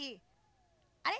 あれ？